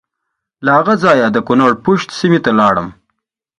له هغه ځایه د کنړ پَشَت سیمې ته ولاړم.